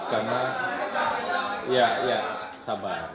karena ya sabar